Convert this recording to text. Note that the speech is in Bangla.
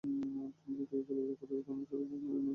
তিন দিক থেকে চলাচল করায় এখানে সারা দিনই যানবাহনের চাপ থাকে।